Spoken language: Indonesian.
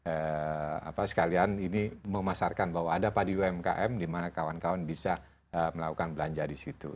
apa sekalian ini memasarkan bahwa ada padi umkm di mana kawan kawan bisa melakukan belanja di situ